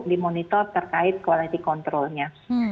dimonitor terkait kualitas kontrolnya